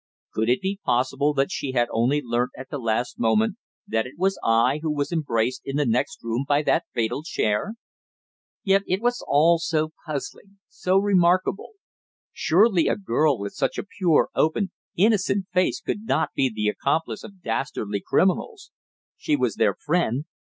Could it be possible that she had only learnt at the last moment that it was I who was embraced in the next room by that fatal chair! Yet it was all so puzzling, so remarkable. Surely a girl with such a pure, open, innocent face could not be the accomplice of dastardly criminals! She was their friend.